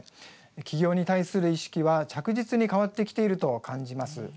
起業に対する意識は着実に変わってきていると感じます。